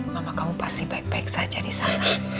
mama kamu pasti baik baik saja disana